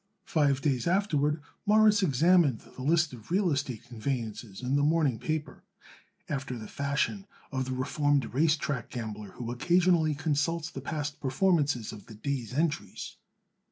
Five days afterward Morris examined the list of real estate conveyances in the morning paper, after the fashion of the reformed race track gambler who occasionally consults the past performances of the day's entries.